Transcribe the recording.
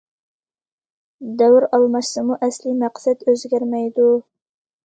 دەۋر ئالماشسىمۇ، ئەسلىي مەقسەت ئۆزگەرمەيدۇ.